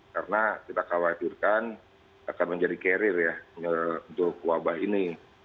karena kita khawatirkan akan menjadi karir ya untuk wabah ini